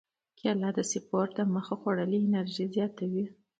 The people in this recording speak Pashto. کېله د سپورت دمخه خوړل انرژي زیاتوي.